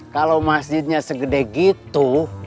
kalau masjidnya segede gitu